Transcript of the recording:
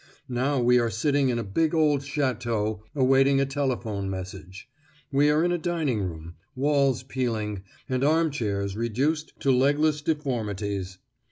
Now we are sitting in a big old château awaiting a telephone message; we are in a dining room, walls peeling, and arm chairs reduced to legless deformities!